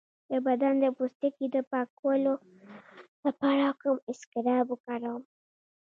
د بدن د پوستکي د پاکولو لپاره کوم اسکراب وکاروم؟